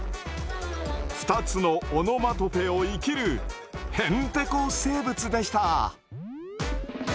２つのオノマトペを生きるへんてこ生物でした。